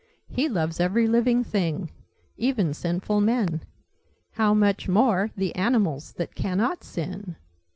He loves every living thing. Even sinful men. How much more the animals, that cannot sin!"